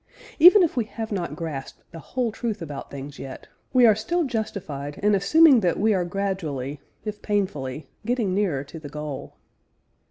Even if we have not grasped the whole truth about things yet, we are still justified in assuming that we are gradually, if painfully, getting nearer to the goal.